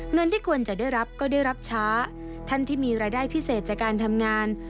เงินที่ควรจะได้รับก็ได้รับช้าท่านที่มีรายได้พิเศษจากการทำงาน